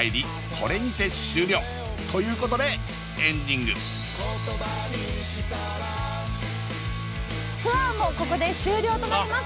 これにて終了ということでエンディングツアーもここで終了となります